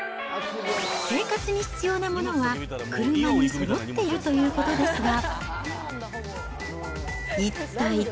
生活に必要なものは車にそろっているということですが。